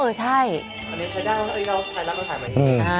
อันนี้ใช้ได้เอ้ยเราถ่ายแล้วก็ถ่ายไหม